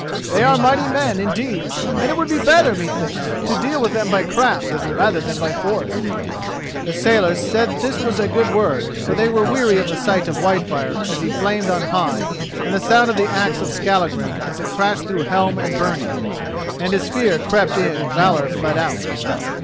They are mighty men, indeed, and it would be better, methinks, to deal with them by craft, rather than by force." The sailors said that this was a good word, for they were weary of the sight of Whitefire as he flamed on high and the sound of the axe of Skallagrim as it crashed through helm and byrnie; and as fear crept in valour fled out.